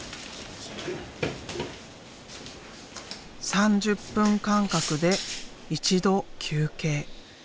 ３０分間隔で一度休憩。